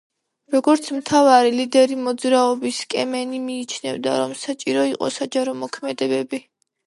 როგორც მთავარი ლიდერი მოძრაობის, კემენი მიიჩნევდა, რომ საჭირო იყო საჯარო მოქმედებები.